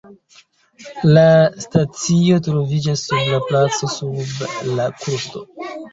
La stacio troviĝas sub la placo sub la krusto.